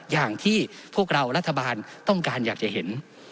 อย่างที่พวกเรารัฐบาลต้องการอยากจะเห็น